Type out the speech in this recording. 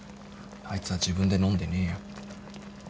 あいつは自分で飲んでねえよ。